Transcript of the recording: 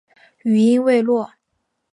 语音未落